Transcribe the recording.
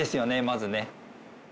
まずね。